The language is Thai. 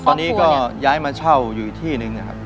ตอนนี้ก็ย้ายมาเช่าอยู่อีกที่หนึ่งนะครับ